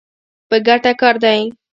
په ګټه کار دی.